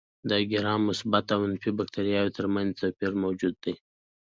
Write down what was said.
د ګرام مثبت او منفي باکتریاوو تر منځ توپیر موجود دی.